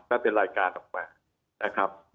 เป็นรายการออกมานะครับ